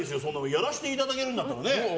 やらしていただけるんだったらね。